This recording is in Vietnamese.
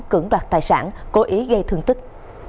cứng đoạt tài sản cố ý gây thương tích